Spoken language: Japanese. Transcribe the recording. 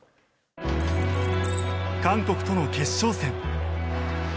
韓国との決勝戦。